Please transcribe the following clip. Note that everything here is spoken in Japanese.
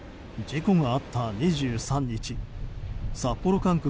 事故があった２３日札幌管区